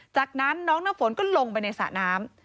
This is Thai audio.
จากนั้นน้องน้ำฝนก็ลงไปในสระน้ำ